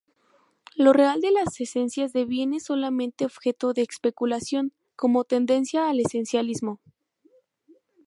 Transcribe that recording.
Lo real de las esencias deviene solamente objeto de especulación, como tendencia al esencialismo.